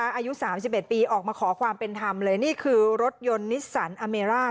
อายุ๓๑ปีออกมาขอความเป็นธรรมเลยนี่คือรถยนต์นิสสันอเมร่า